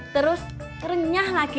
terus renyah lagi